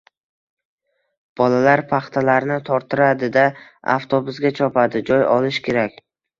Bolalar paxtalarini torttiradi-da avtobusga chopadi – joy olish kerak.